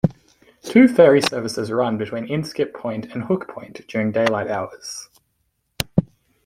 Two ferry services run between Inskip Point and Hook Point during daylight hours.